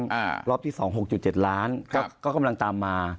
อีกรอบที่ที่๒รอบ๖๗ล้านบาทก็กำลังตามมา